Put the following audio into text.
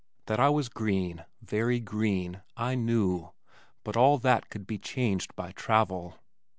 That I was green, very green, I knew but all that could be changed by travel.